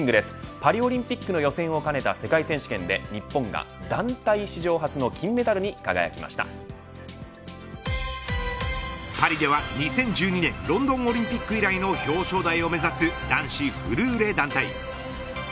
パリオリンピックの予選を兼ねた世界選手権で日本が団体史上初のパリでは２０１２年ロンドンオリンピック以来の表彰台を目指す男子フルーレ団体。